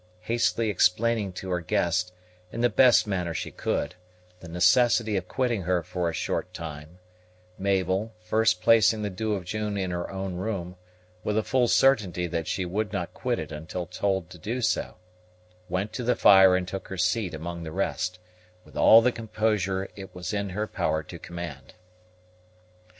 Hastily explaining to her guest, in the best manner she could, the necessity of quitting her for a short time, Mabel, first placing the Dew of June in her own room, with a full certainty that she would not quit it until told to do so, went to the fire and took her seat among the rest, with all the composure it was in her power to command.